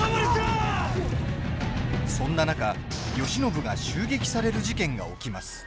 そんな中、慶喜が襲撃される事件が起きます。